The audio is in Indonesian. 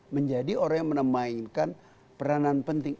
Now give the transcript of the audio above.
menjadi orang yang memainkan peranan penting